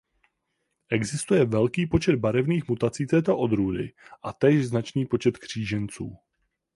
Existuje velký počet barevných mutací této odrůdy a též značný počet kříženců.